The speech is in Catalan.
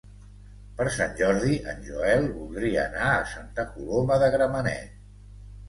Per Sant Jordi en Joel voldria anar a Santa Coloma de Gramenet.